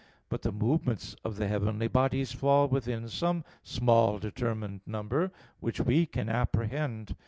But the movements of the heavenly bodies fall within some small determined number, which we can apprehend.